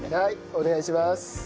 お願いします。